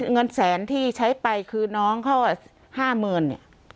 เงินแสนที่ใช้ไปคือน้องเขาอ่ะห้าเมินเนี่ย